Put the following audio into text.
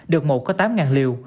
được một có tám liều